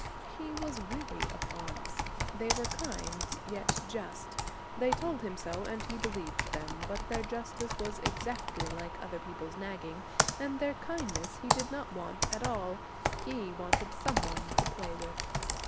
He was weary of aunts they were kind yet just; they told him so and he believed them. But their justice was exactly like other people's nagging, and their kindness he did not want at all. He wanted some one to play with.